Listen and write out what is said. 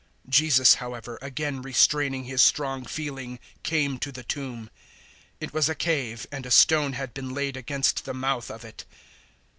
011:038 Jesus, however, again restraining His strong feeling, came to the tomb. It was a cave, and a stone had been laid against the mouth of it.